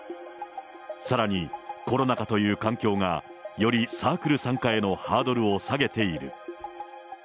さらにコロナ禍という環境が、よりサークル参加へのハードルを下げている。